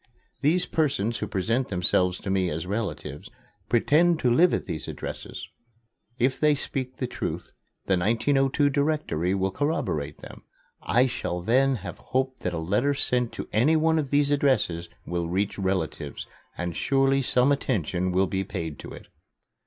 These persons who present themselves to me as relatives pretend to live at these addresses. If they speak the truth, the 1902 Directory will corroborate them. I shall then have hope that a letter sent to any one of these addresses will reach relatives and surely some attention will be paid to it."